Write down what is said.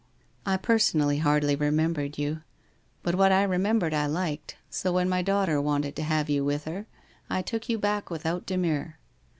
I personally hardly remembered you, but what I remembered I liked, so when my daughter wanted to have you with her, I took you back without demur.'